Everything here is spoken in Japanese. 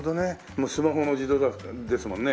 もうスマホの時代ですもんね。